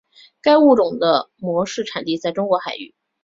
该物种的模式产地在中国海域。